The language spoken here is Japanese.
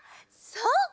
そう！